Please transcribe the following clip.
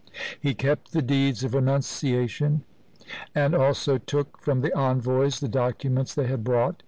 He kept the deeds of renunciation, and also took from the envoys the documents they had brought.